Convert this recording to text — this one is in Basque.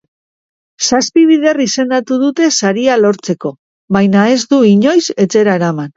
Zazpi bider izendatu dute saria lortzeko, baina ez du inoiz etxera eraman.